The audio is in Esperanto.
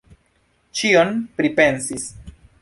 Ĉion pripensis.